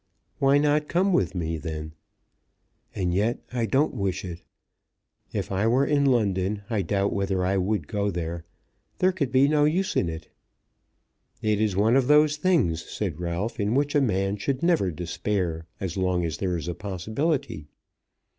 "Why not come with me then?" "And yet I don't wish it. If I were in London I doubt whether I would go there. There could be no use in it." "It is one of those things," said Ralph, "in which a man should never despair as long as there is a possibility."